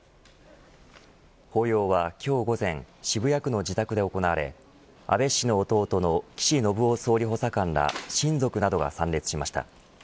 法要は今日午前渋谷区の自宅で行われ安倍氏の弟の岸信夫総理補佐官ら親族などが参列しました。